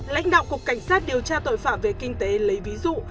lãnh đạo cục cảnh sát điều tra tội phạm về kinh tế lấy ví dụ